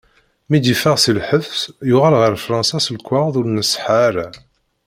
Mi d-yeffeɣ si lḥebs, yuɣal ɣer Fṛansa s lekwaɣeḍ ur nṣeḥḥa ara.